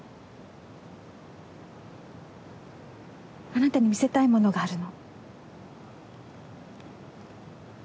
あなたに見せたいものがあるの。